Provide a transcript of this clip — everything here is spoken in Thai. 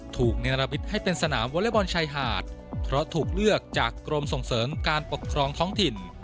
ในระบบิดให้เป็นสนามวอเล็กบอลชายหาดเพราะถูกเลือกจากกรมส่งเสริมการปกครองท้องถิ่น